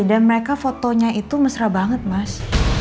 dan mereka fotonya itu mesra banget mas